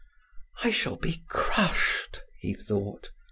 "I shall be crushed," he thought.